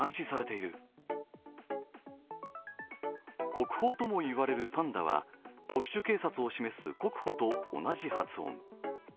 国宝とも言われるパンダは特殊警察を示す国保と同じ発音。